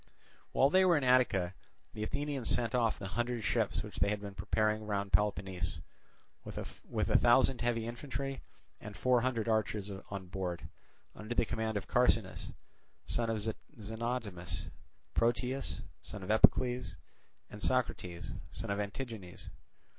While they were in Attica the Athenians sent off the hundred ships which they had been preparing round Peloponnese, with a thousand heavy infantry and four hundred archers on board, under the command of Carcinus, son of Xenotimus, Proteas, son of Epicles, and Socrates, son of Antigenes.